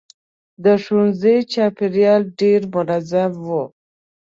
د ښوونځي چاپېریال ډېر منظم و.